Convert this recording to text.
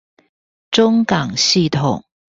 中港系統